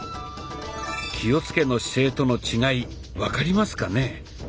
「気をつけの姿勢」との違い分かりますかね？